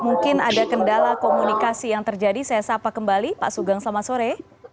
mungkin ada kendala komunikasi yang terjadi saya sapa kembali pak sugeng selamat sore